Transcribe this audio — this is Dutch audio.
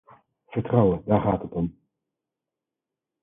Vertrouwen, daar gaat het om.